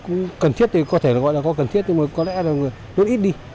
nhưng mà về cần thiết thì có thể gọi là có cần thiết nhưng mà có lẽ là đốt ít đi